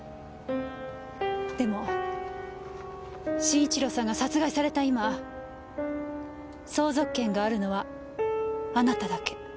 でも晋一郎さんが殺害された今相続権があるのはあなただけ。